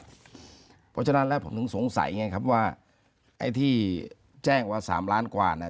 เพราะฉะนั้นแล้วผมถึงสงสัยไงครับว่าไอ้ที่แจ้งว่า๓ล้านกว่าเนี่ย